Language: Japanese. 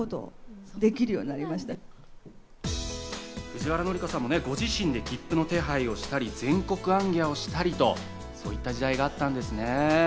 藤原紀香さんも、ご自身で切符の手配をしたり、全国行脚をしたりと、そういった時代があったんですね。